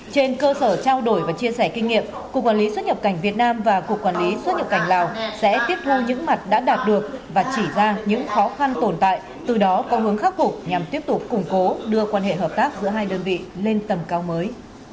trên cơ sở trao đổi và chia sẻ kinh nghiệm cục quản lý xuất nhập cảnh việt nam và cục quản lý xuất nhập cảnh lào sẽ tiếp thu những mặt đã đạt được và chỉ ra những khó khăn tồn tại từ đó có hướng khắc phục nhằm tiếp tục củng cố đưa quan hệ hợp tác giữa hai đơn vị lên tầm cao mới